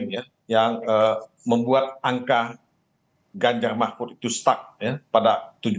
yang membuat angka ganjar mahfud itu stuck pada tujuh belas